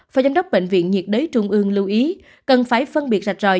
phó giám đốc bệnh viện nhiệt đới trung ương lưu ý cần phải phân biệt rạch ròi